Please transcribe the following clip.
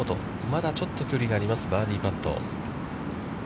まだちょっと距離がありますバーディーパット。